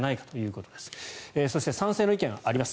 そして、賛成の意見あります。